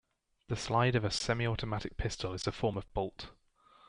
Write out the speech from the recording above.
The slide of a semi-automatic pistol is a form of bolt.